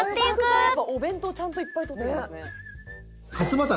「スタッフさんお弁当ちゃんといっぱい取っていきますね」